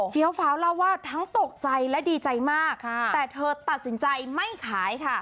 ฟ้าวเล่าว่าทั้งตกใจและดีใจมากแต่เธอตัดสินใจไม่ขายค่ะ